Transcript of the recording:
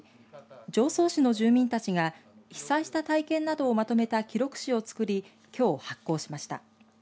常総市の住民たちが被災した体験などをまとめた記録誌をつくりきょう、発行しました。